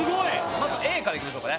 まずＡから行きましょうかね